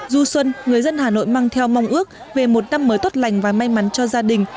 du xuân người dân hà nội mang theo mong ước về một năm mới tốt lành và may mắn cho gia đình